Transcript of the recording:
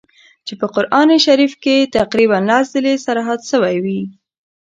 چي په قرآن شریف کي یې تقریباً لس ځله صراحت سوی وي.